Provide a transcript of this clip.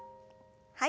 はい。